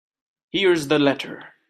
Here is the letter.